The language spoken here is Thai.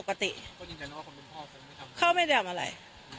เขาเป็นคนสาวที่สาวใหม่